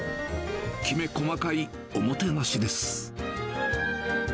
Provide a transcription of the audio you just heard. きめ細かいおもてなしです。